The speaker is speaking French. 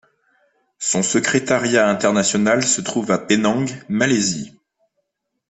Son secrétariat international se trouve à Penang, Malaisie.